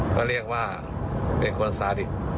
ก็เรียกว่าเป็นคนซาดิก